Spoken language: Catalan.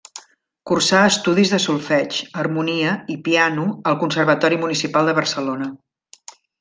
Cursà estudis de solfeig, harmonia, i piano al Conservatori Municipal de Barcelona.